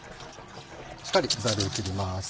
しっかりザル切ります。